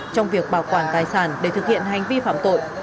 trong việc bảo quản tài sản để thực hiện hành vi phạm tội